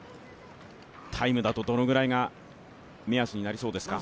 タイムだとどのぐらいが目安になりそうですか？